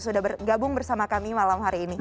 sudah bergabung bersama kami malam hari ini